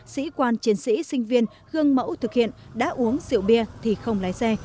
sĩ quan chiến sĩ sinh viên gương mẫu thực hiện đã uống diệu biệt thì không lái xe